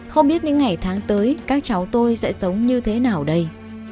không biết những ngày tháng tới các cháu tôi sẽ sống như thế nào đây